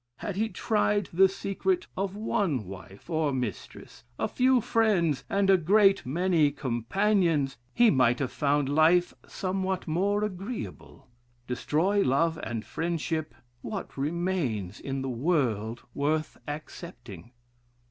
Had he tried the secret of one wife or mistress, a few friends, and a great many companions, he might have found lite somewhat more agreeable. Destroy love and friendship, what remains in the world worth accepting?"